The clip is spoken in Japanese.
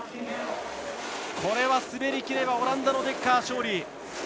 これは、滑りきればオランダのデッカー、勝利。